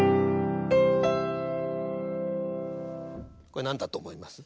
これ何だと思います？